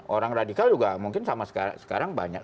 orang radikal juga mungkin sama sekarang banyak